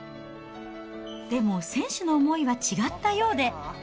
でも、選手の思いは違ったようで。